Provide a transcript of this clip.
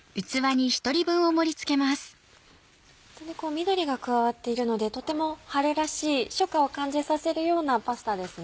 緑が加わっているのでとても春らしい初夏を感じさせるようなパスタですね。